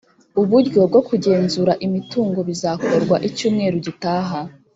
uburyo bwo kugenzura imitungo bizakorwa icyumweru gitaha